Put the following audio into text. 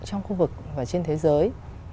trong khu vực và trên thế giới